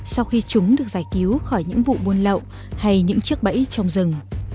sau khi chúng được giải cứu khỏi những vụ buôn lậu hay những chiếc bẫy trong rừng